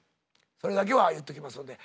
それだけは言っときますので。